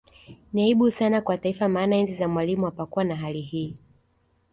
Ni aibu sana kwa Taifa maana enzi za Mwalimu hapakukuwa na hali hii